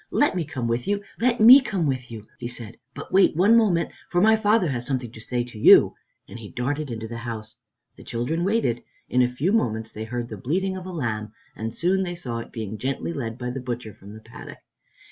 "Let me come with you, let me come with you," he said. "But wait one moment, for my father has something to say to you," and he darted into the house. The children waited. In a few moments they heard the bleating of a lamb, and soon they saw it being gently led by the butcher from the paddock.